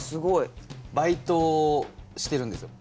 バイトしてるんですよ。